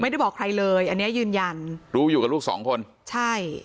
ไม่ได้บอกใครเลยอันเนี้ยยืนยันรู้อยู่กับลูกสองคนใช่